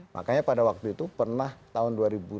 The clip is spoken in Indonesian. makanya pada waktu itu pernah tahun dua ribu delapan dua ribu sembilan